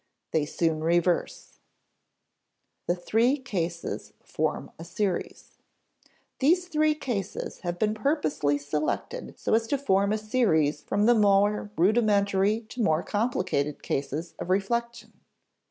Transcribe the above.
They soon reverse." [Sidenote: The three cases form a series] These three cases have been purposely selected so as to form a series from the more rudimentary to more complicated cases of reflection.